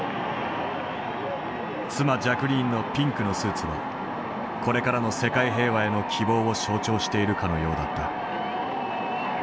妻ジャクリーンのピンクのスーツはこれからの世界平和への希望を象徴しているかのようだった。